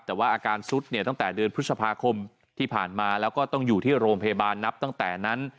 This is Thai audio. แต่ว่าอาการซุดเนี่ยตั้งแต่เดือนพฤษภาคมที่ผ่านมาแล้วก็ต้องอยู่ที่โรงพยาบาลนับตั้งแต่นั้น